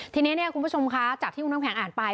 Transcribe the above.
ทีนี้คุณผู้ชมค่ะจากที่น้องแผงอ่านไป